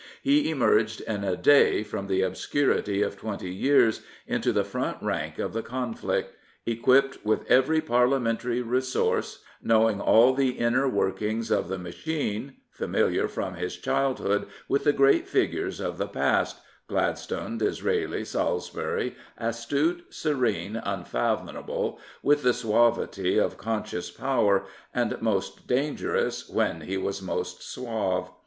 He emerged in a day from the obscurity of twenty years into the front rank of the 308 Lewis Harcourt conflict, equipped with every Parliamentary resource, knowing all the inner workings of the machine, familiar from his childhood with the great figures of the past, Gladstone, Disraeli, Salisbury, as tut e, serene, unfathomable, with the suavity of conscious power, and most dangerous when he was most suave.